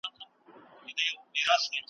خو شیطان یې دی په زړه کي ځای نیولی ,